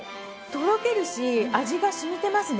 とろけるし味が染みてますね。